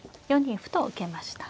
４二歩と受けました。